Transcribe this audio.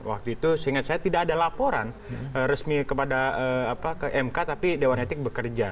waktu itu seingat saya tidak ada laporan resmi kepada mk tapi dewan etik bekerja